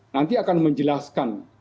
nanti akan menjelaskan